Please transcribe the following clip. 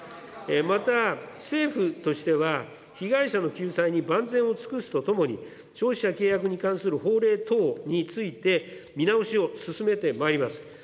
また、政府としては被害者の救済に万全を尽くすとともに、消費者契約に関する法令等について、見直しを進めてまいります。